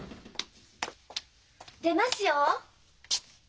出ますよ。